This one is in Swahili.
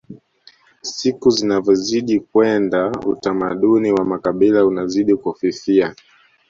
siku zinavyozidi kwenda utamaduni wa makabila unazidi kufifia